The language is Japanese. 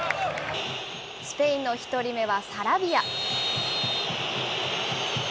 スペインの１人目はサラビア。